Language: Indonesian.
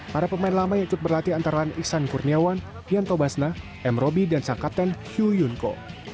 para pemain lama ikut berlatih antara iksan kurniawan yanto basna m roby dan sang kapten hugh yunko